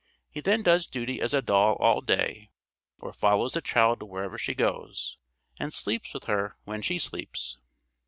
He then does duty as a doll all day, or follows the child wherever she goes, and sleeps with her when she sleeps.